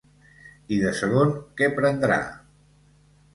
I de segon, què prendrà?